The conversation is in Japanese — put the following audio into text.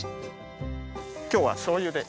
今日はしょうゆで。